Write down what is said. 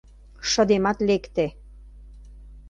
Шыдемат лекте.